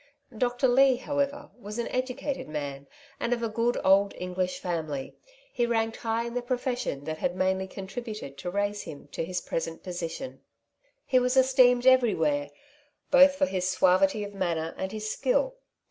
Dr. Leigh, however, was an educated man, and of a good old English family. He ranked high in the profession that had mainly contributed to raise him \ 102 " Two Sides to every Question^ to his present position. He was esteemed every where, both for his suavity of manner and Ids skill.